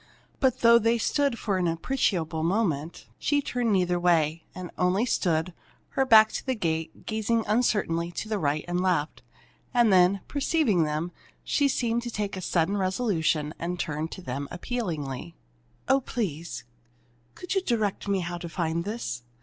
But though they stood so for an appreciable moment, she turned neither way, and only stood, her back to the gate, gazing uncertainly to the right and left. And then, perceiving them, she seemed to take a sudden resolution, and turned to them appealingly. "Oh, please, could you direct me how to find this?"